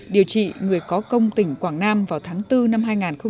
điều trị người có công tỉnh quảng nam vào tháng bốn năm hai nghìn một mươi chín